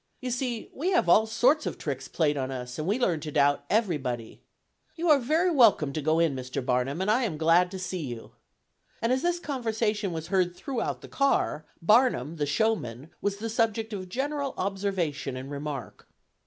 You see we have all sorts of tricks played on us, and we learn to doubt everybody. You are very welcome to go in, Mr. Barnum, and I am glad to see you," and as this conversation was heard throughout the car, "Barnum, the showman," was the subject of general observation and remark.